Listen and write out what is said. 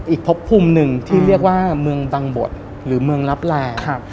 อีกพบภูมิหนึ่งที่เรียกว่าเมืองบังบดหรือเมืองลับแล